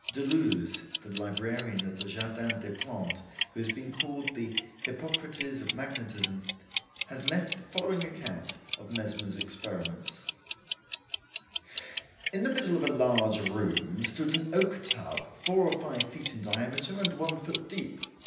Deleuze, the librarian at the Jardin des Plantes, who has been called the Hippocrates of magnetism, has left the following account of Mesmer's experiments: "In the middle of a large room stood an oak tub, four or five feet in diameter and one foot deep.